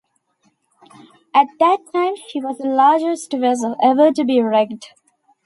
At that time she was the largest vessel ever to be wrecked.